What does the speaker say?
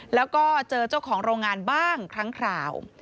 แล้วก็เจอเจ้าของโรงงานบ้างครั้งคราว